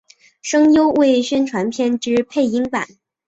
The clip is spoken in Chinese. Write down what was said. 声优为宣传片之配音版。